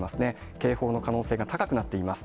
警報の可能性が高くなっています。